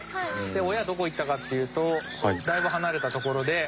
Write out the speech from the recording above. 親どこ行ったかというとだいぶ離れた所で。